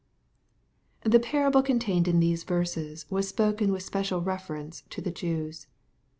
The parable contained in these verses was spoken with special reference to the Jews.